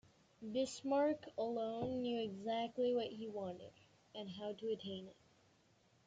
Bismarck alone knew exactly what he wanted, and how to attain it.